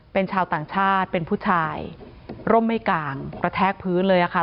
เป็นชาวต่างชาติเป็นผู้ชายร่มไม่กลางกระแทกพื้นเลยค่ะ